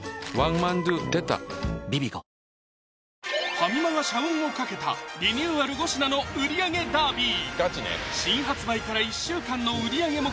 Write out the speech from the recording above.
ファミマが社運をかけたリニューアル５品の売り上げダービー！